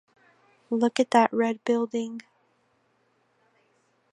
Look at that red building.